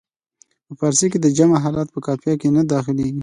په فارسي کې د جمع حالت په قافیه کې نه داخلیږي.